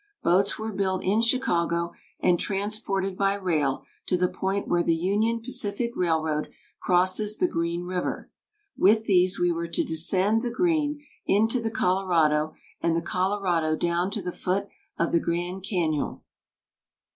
Boats were built in Chicago, and transported by rail to the point where the Union Pacific Railroad crosses the Green River. With these we were to descend the Green into the Colorado, and the Colorado down to the foot of the Grand Cañon."